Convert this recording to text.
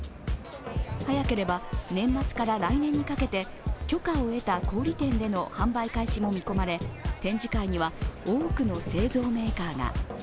早ければ年末から来年にかけて許可を得た小売店での販売開始も見込まれ、展示会には多くの製造メーカーが。